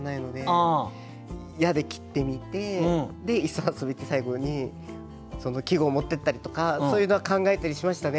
「や」で切ってみてで「磯遊」って最後に季語を持っていったりとかそういうのは考えたりしましたね。